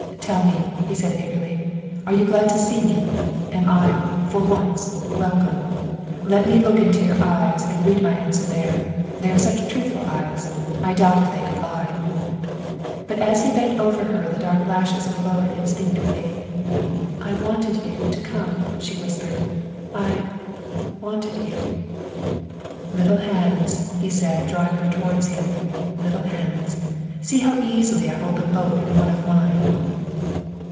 " Tell me," he said eagerly, " are you glad to see me? Am I, for once, welcome? Let me look into your eyes and read my answer there. They are such truthful eyes I doubt if they could lie." But as he bent over her the dark lashes were lowered instinctively. '' I wanted you to come, '' she whispered, '' I wanted you." 11 Little hands," he said, drawing her towards him, " little hands! See how easily I hold them both in one of mine."